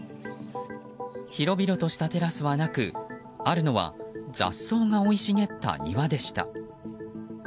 広々としたテラスはなくあるのは雑草が生い茂った庭でした。